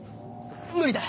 無理だ！